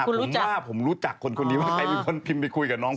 ผมว่าผมรู้จักคนนี้ว่าใครมีคนพิมพ์ไปคุยกับน้องคนนี้